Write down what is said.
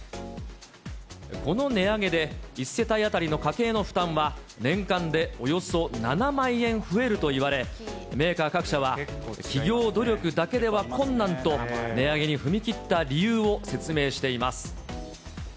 この値上げで、１世帯当たりの家計の負担は年間でおよそ７万円増えるといわれ、メーカー各社は、企業努力だけでは困難と、値上げに踏み切った理由を説明しています。